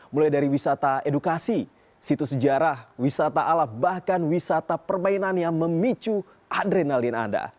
mulai dari wisata edukasi situs sejarah wisata alam bahkan wisata permainan yang memicu adrenalin anda